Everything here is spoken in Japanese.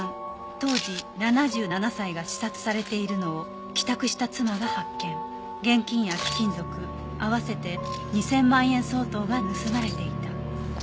当時７７歳が刺殺されているのを帰宅した妻が発見」「現金や貴金属合わせて２０００万円相当が盗まれていた」